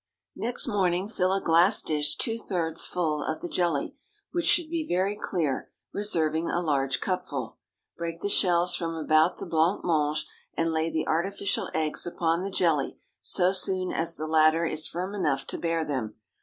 Next morning fill a glass dish two thirds full of the jelly, which should be very clear, reserving a large cupful. Break the shells from about the blanc mange, and lay the artificial eggs upon the jelly so soon as the latter is firm enough to bear them.